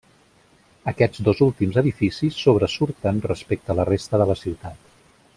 Aquests dos últims edificis sobresurten respecte a la resta de la ciutat.